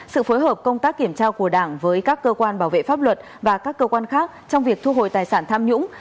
sự phối hợp công tác kiểm tra của đảng với các cơ quan bảo vệ pháp luật và các cơ quan khác trong việc thu hồi tài sản tham nhũng